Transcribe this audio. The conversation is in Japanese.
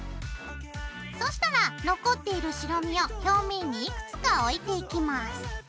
そしたら残っている白身を表面にいくつか置いていきます。